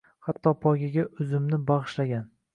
Hatto poygaga o’zimni bag’ishlagan